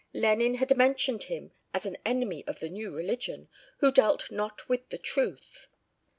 Lenin had mentioned him as an enemy of the new religion, who dealt not with the truth.